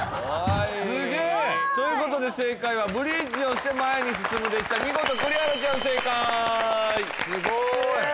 すげえということで正解はブリッジをして前に進むでした見事栗原ちゃん正解